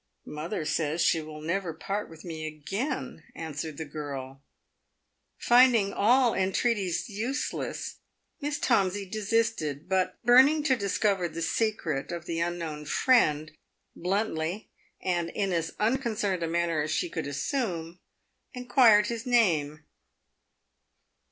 " Mother says she will never part with me again," answered the girl. Finding all entreaties useless, Miss Tomsey desisted, but, burning to discover the secret of the unknown friend, bluntly, and in as unconcerned a manner as she could assume, inquired his name.